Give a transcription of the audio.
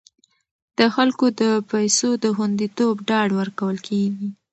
د خلکو د پیسو د خوندیتوب ډاډ ورکول کیږي.